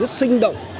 rất sinh động